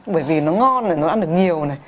bởi vì nó ngon nó ăn được nhiều